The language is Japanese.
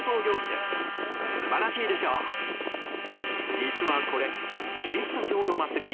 実はこれ、キリスト教の祭り